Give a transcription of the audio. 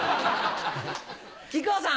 木久扇さん。